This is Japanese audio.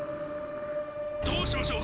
どうしましょう？